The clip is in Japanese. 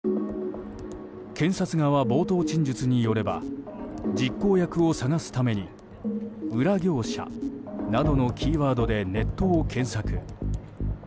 検察側冒頭陳述によれば実行役を探すために裏業者などのキーワードでネットを検索。